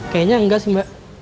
kayaknya enggak sih mbak